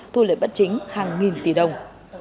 thu lợi bất chính hàng nghìn tỷ đồng